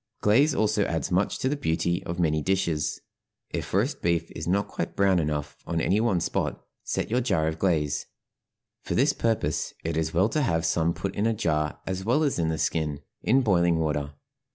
Glaze also adds much to the beauty of many dishes. If roast beef is not quite brown enough on any one spot set your jar of glaze for this purpose it is well to have some put in a jar as well as in the skin in boiling water.